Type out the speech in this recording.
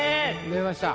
出ました。